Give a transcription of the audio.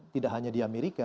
tidak hanya di amerika